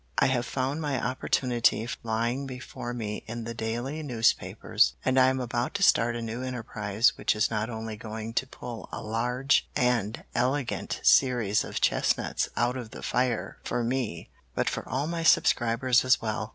I have found my opportunity lying before me in the daily newspapers, and I am about to start a new enterprise which is not only going to pull a large and elegant series of chestnuts out of the fire for me but for all my subscribers as well.